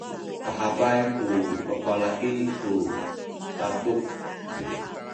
pahabay ku babalaki tu taduk.